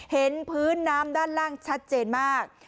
เห็นพื้นน้ำด้านล่างชัดเจนมาก